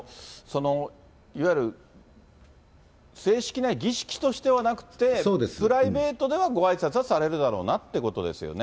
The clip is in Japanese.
いわゆる正式な儀式ではなくって、プライベートではごあいさつはされるだろうなってことですよね。